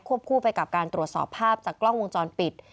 คู่ไปกับการตรวจสอบภาพจากกล้องวงจรปิด